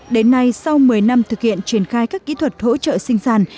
đến nay sau một mươi năm thực hiện triển khai các kỹ thuật hỗ trợ sinh sản